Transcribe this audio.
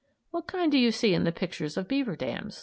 (What kind do you see in the picture of the beaver dam?)